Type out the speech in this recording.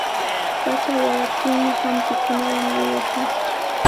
Pacha waraptinmi hampikuqman aywashun.